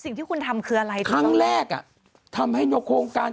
ไม่รู้ใช้คำนี้ถูกหรือเปล่านะบอกว่าโรคอันเนี้ยมันเป็นโรคที่แบบว่าหนึ่งล้านคน